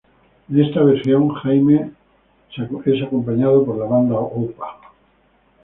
En esta versión Jaime es acompañado por la banda Opa.